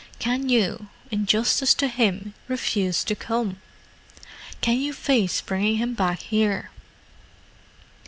Can you, in justice to him, refuse to come?—can you face bringing him back here?"